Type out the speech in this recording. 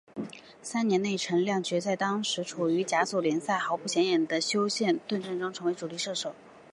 三年内陈亮镛在当时处于甲组联赛豪不显眼的修咸顿阵中成为主力射手。